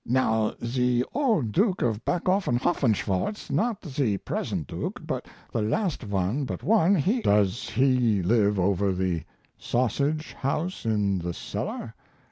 Now the old Duke of Backofenhofenschwartz not the present Duke, but the last but one, he " "Does he live over the sausage shop in the cellar?"